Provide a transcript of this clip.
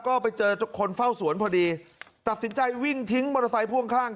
ก็ไปเจอคนเฝ้าสวนพอดีตัดสินใจวิ่งทิ้งมอเตอร์ไซค์พ่วงข้าง